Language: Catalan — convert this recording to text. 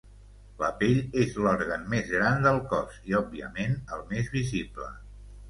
La pell és l'òrgan més gran del cos i, òbviament, el més visible.